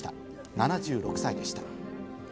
７６歳でした。